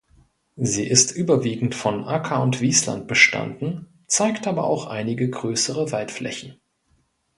Sie ist überwiegend von Acker- und Wiesland bestanden, zeigt aber auch einige größere Waldflächen.